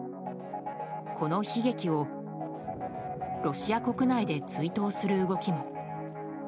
この悲劇をロシア国内で追悼する動きも。